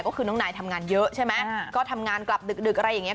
ก็คือน้องนายทำงานเยอะใช่ไหมก็ทำงานกลับดึกอะไรอย่างเงี้